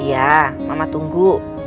iya mama tunggu